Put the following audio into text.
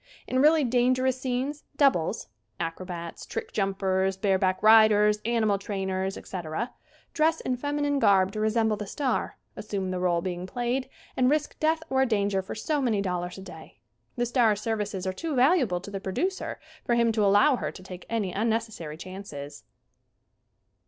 In really dangerous scenes "doubles" acro bats, trick jumpers, bareback riders, animal trainers, etc. dress in feminine garb to re semble the star, assume the role being played and risk death or danger for so many dollars a day. The star's services are too valuable to the producer for him to allow her to take any unnecessary chances.